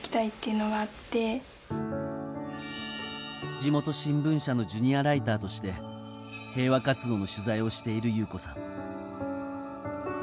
地元新聞社のジュニアライターとして平和活動の取材をしている裕子さん。